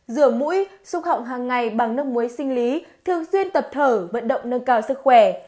rửa mũi xúc họng hàng ngày bằng nước muối sinh lý thường xuyên tập thở vận động nâng cao sức khỏe